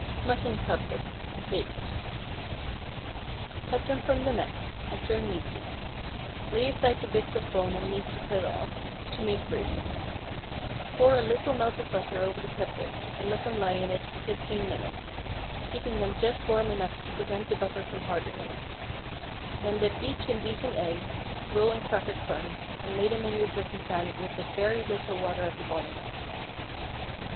MUTTON CUTLETS. (Baked). Cut them from the neck, and trim neatly. Lay aside the bits of bone and meat you cut off, to make gravy. Pour a little melted butter over the cutlets, and let them lie in it for fifteen minutes, keeping them just warm enough to prevent the butter from hardening; then dip each in beaten egg, roll in cracker crumbs, and lay them in your dripping pan with a very little water at the bottom.